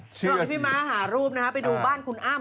นะโดดพี่ม้าหารูปนะครับไปดูบ้านคุณอ้ำ